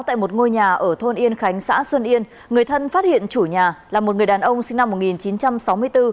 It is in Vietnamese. tại một ngôi nhà ở thôn yên khánh xã xuân yên người thân phát hiện chủ nhà là một người đàn ông sinh năm một nghìn chín trăm sáu mươi bốn